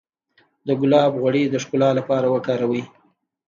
د ګلاب غوړي د ښکلا لپاره وکاروئ